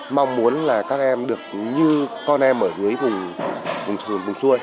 mong muốn là các em được như con em ở dưới vùng xuôi